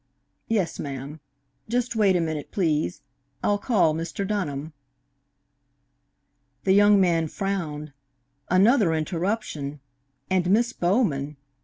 Yes, ma'am; just wait a minute, please. I'll call Mr. Dunham." The young man frowned. Another interruption! And Miss Bowman!